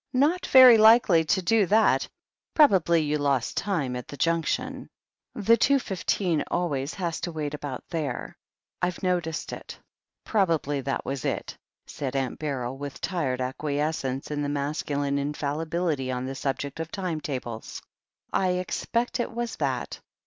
"Not very likely to do that. Probably you lost time at the Junction. The two fifteen always has to wait about there, Fve noticed it." "Probably that was it," said Atmt Beryl, with tired acquiescence in the masculine infallibility on the sub ject of time tables. "I expect it was that.